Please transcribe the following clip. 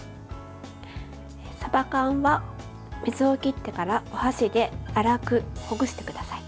さば缶は水を切ってからお箸で粗くほぐしてください。